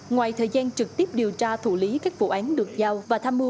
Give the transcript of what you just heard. ngoài thời gian trực tiếp điều tra thủ lý các vụ án được giao và tham mưu